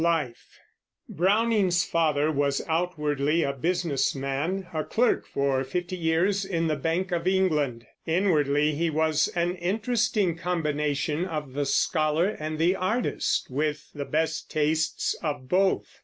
LIFE. Browning's father was outwardly a business man, a clerk for fifty years in the Bank of England; inwardly he was an interesting combination of the scholar and the artist, with the best tastes of both.